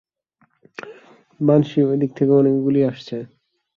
Banshee, ওই দিক থেকে অনেক গুলি আসছে।